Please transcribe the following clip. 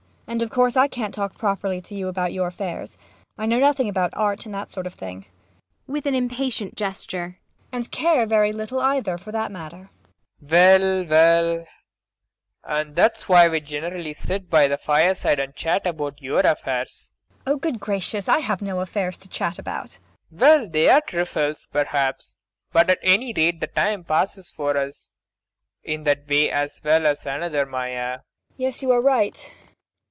And of course I can't talk properly to you about your affairs. I know nothing about art and that sort of thing [With an impatient gesture.] And care very little either, for that matter! PROFESSOR RUBEK. Well, well; and that's why we generally sit by the fireside, and chat about your affairs. MAIA. Oh, good gracious I have no affairs to chat about. PROFESSOR RUBEK. Well, they are trifles, perhaps; but at any rate the time passes for us in that way as well as another, Maia. MAIA. Yes, you are right.